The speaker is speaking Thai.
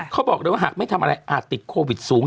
เขาบอกเลยว่าหากไม่ทำอะไรอาจติดโควิดสูง